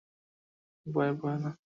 হেই- ভয় পেয়ো না!